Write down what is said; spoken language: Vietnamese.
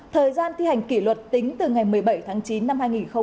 thời gian thi hành kỷ luật tính từ ngày một mươi bảy tháng chín năm hai nghìn một mươi chín